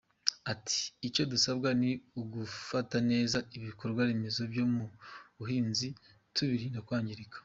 Ati “Icyo dusabwa ni ugufata neza ibikorwaremezo byo mu buhinzi tubirinda kwangirika.